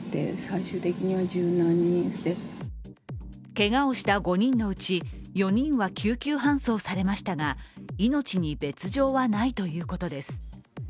けがをした５人のうち４人は救急搬送されましたが命に別状はないということです。